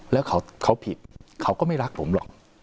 แล้วเขาผิดเขาก็ไม่รักผมหรอก